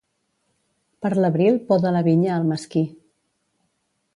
Per l'abril poda la vinya el mesquí.